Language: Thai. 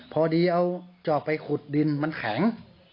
พอดีจะเอาไปขุดดินมันแข็ง